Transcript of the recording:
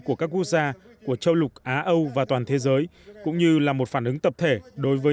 của các quốc gia của châu lục á âu và toàn thế giới cũng như là một phản ứng tập thể đối với